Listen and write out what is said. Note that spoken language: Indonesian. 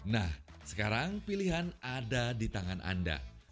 nah sekarang pilihan ada di tangan anda